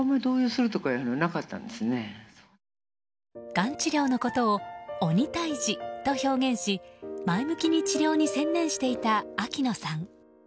がん治療のことを鬼退治と表現し前向きに治療に専念していた秋野さん。